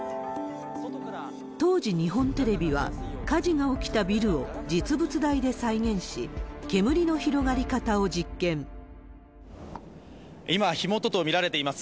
当時日本テレビは、火事が起きたビルを実物大で再現し、今、火元と見られています